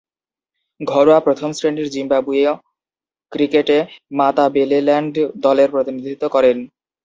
ঘরোয়া প্রথম-শ্রেণীর জিম্বাবুয়ীয় ক্রিকেটে মাতাবেলেল্যান্ড দলের প্রতিনিধিত্ব করেন।